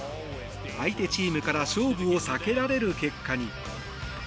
相手チームから勝負を避けられる結果に。